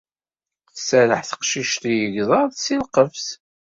Tserreḥ teqcict i yigḍaḍ seg lqefs.